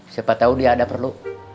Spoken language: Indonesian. siapa tahu dia ada perlu